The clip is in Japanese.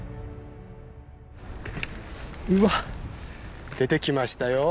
うわっ出てきましたよ。